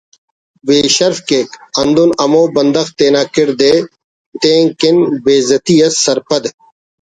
بے شرف کیک ہندن ہمو بندغ تینا کڑد ءِ تین کن بے عزتی اس سرپد